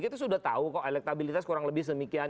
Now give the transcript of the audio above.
kita sudah tahu kok elektabilitas kurang lebih semikian